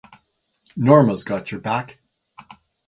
Norma's got your back.